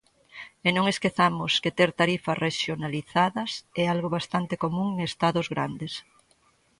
E non esquezamos que ter 'tarifas rexionalizadas' é algo bastante común en Estados grandes.